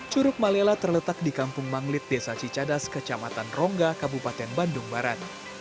curug malela terletak di kampung manglit desa cicadas kecamatan rongga kabupaten bandung barat